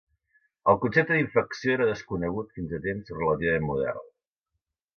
El concepte d'infecció era desconegut fins a temps relativament moderns.